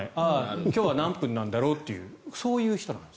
今日は何分なんだろうってそういう人なんです。